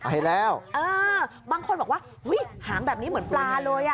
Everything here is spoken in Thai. เห็นแล้วบางคนบอกว่าหางแบบนี้เหมือนปลาเลย